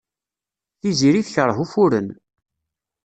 Tiziri tekṛeh ufuren.